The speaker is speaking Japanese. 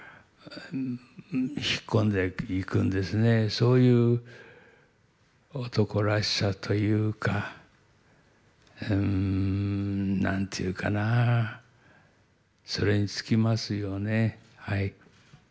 そういう男らしさというか何て言うかなそれに尽きますよねはい。